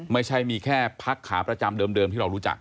ไม่ใช่มีแค่พักขาประจำเดิมที่เรารู้จัก